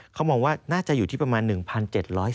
เขามองว่าน่าจะอยู่ที่ประมาณ๑๗๐